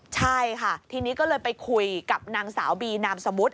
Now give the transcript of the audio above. ใช่ค่ะทีนี้ก็เลยไปคุยกับนางสาวบีนามสมมุติ